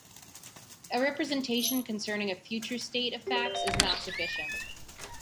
A representation concerning a future state of facts is not sufficient.